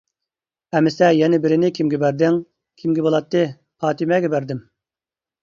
-ئەمىسە يەنە بىرىنى كىمگە بەردىڭ؟ -كىمگە بولاتتى؟ پاتىمەگە بەردىم.